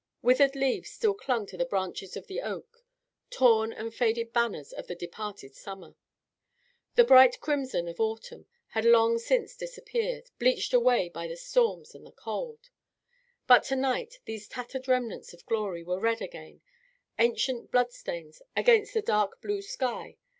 Withered leaves still clung to the branches of the oak: torn and faded banners of the departed summer. The bright crimson of autumn had long since disappeared, bleached away by the storms and the cold. But to night these tattered remnants of glory were red again: ancient bloodstains against the dark blue sky.